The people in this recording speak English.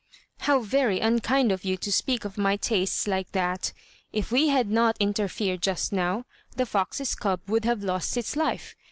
"How very unkind of you to speak of my tastes like that. If we had not interfered just now, the fox's cub would have lost its life.